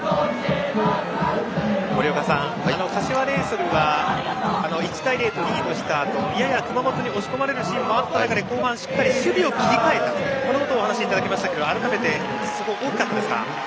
森岡さん、柏レイソルは１対０とリードしたあとやや熊本に押し込まれるシーンもあった中で後半しっかり守備を切り替えたとお話がありましたが改めてそこは大きかったですか？